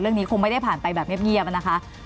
เรื่องนี้คงไม่ได้ผ่านไปแบบเงียบนะคะ